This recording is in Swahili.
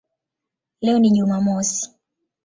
Leo ni Jumamosi".